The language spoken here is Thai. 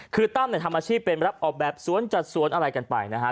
คือตั้มเนี่ยทำอาชีพเป็นรับออกแบบสวนจัดสวนอะไรกันไปนะฮะ